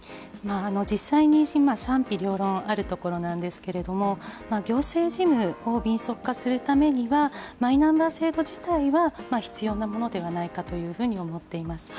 実際に賛否両論あるところなんですけども行政事務を敏速化するためにはマイナンバー制度自体は必要なものではないかというふうに思っています。